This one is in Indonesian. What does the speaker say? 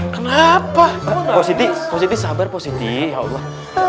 kenapa kenapa posisi posisi sabar posisi allah